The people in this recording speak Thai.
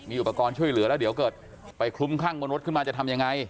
อุปกรณ์ช่วยเหลือแล้วเดี๋ยวเกิดไปคลุ้มคลั่งบนรถขึ้นมาจะทำยังไง